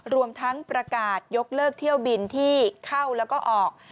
รวมทั้งประกาศยกเลิกเที่ยวบินที่เข้าแล้วก็ออก